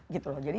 gitu loh jadi